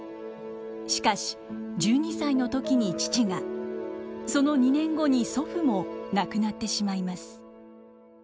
しかし１２歳の時に父がその２年後に祖父も亡くなってしまいます。